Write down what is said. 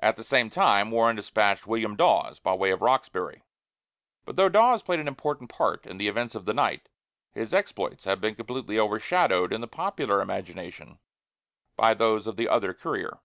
At the same time Warren dispatched William Dawes by way of Roxbury; but though Dawes played an important part in the events of the night, his exploits have been completely overshadowed in the popular imagination by those of the other courier.